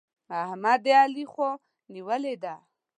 احمد د علي خوا نيولې ده.